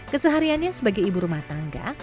kesehariannya sebagai ibu rumah tangga